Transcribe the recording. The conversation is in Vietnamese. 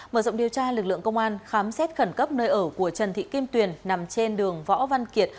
mở rộng điều tra lực lượng công an khám xét khẩn cấp nơi ở của trần thị kim tuyền nằm trên đường võ văn kiệt